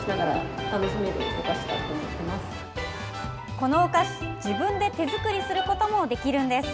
このお菓子、自分で手作りすることもできるんです。